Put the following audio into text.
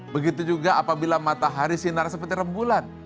begitu juga apabila matahari sinar seperti rem bulan